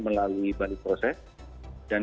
melalui balik proses dan